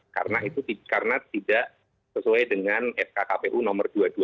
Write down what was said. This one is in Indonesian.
karena itu karena tidak sesuai dengan sk kpu nomor dua ratus dua puluh tujuh